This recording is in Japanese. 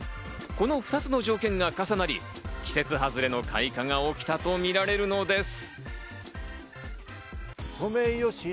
この２つの条件が重なり、季節外れの開花が起きたとみられるのです。